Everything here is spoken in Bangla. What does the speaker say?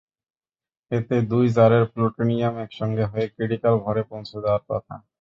এতে দুই জারের প্লুটোনিয়াম একসঙ্গে হয়ে ক্রিটিক্যাল ভরে পৌঁছে যাওয়ার কথা।